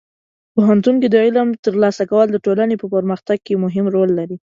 پوهنتون کې د علم ترلاسه کول د ټولنې په پرمختګ کې مهم رول لري.